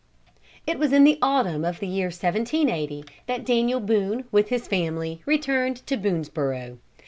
It was in the autumn of the year 1780 that Daniel Boone, with his family, returned to Boonesborough.